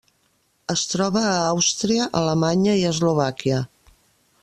Es troba a Àustria, Alemanya i Eslovàquia.